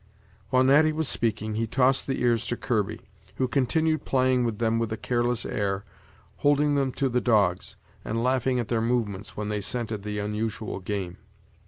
While Natty was speaking, he tossed the ears to Kirby, who continued playing with them with a careless air, holding them to the dogs, and laughing at their movements when they scented the unusual game.